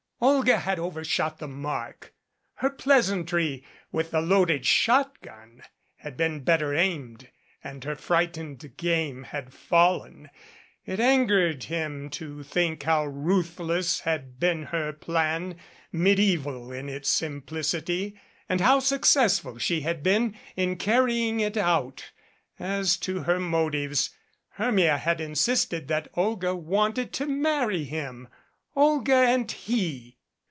Olga had overshot the mark. Her pleasantry with the loaded shotgun had been better aimed and her frightened game had fallen. It angered him to think how ruthless had been her plan, me diaeval in its simplicity, and how successful she had been in carrying it out. As to her motives Hermia had in sisted that Olga wanted to marry him ! Olga and he